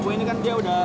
ini kan dia udah